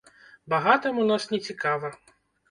Багатым у нас нецікава.